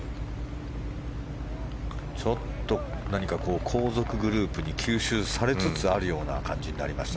ちょっと何か後続グループに吸収されつつあるような感じになりました。